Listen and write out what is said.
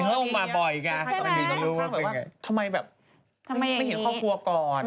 ทำไมแบบไม่เห็นครอบครัวก่อน